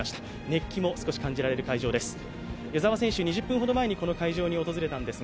熱気も少し感じられる会場です。